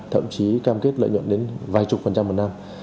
thậm chí cam kết lợi nhuận đến vài chục phần trăm một năm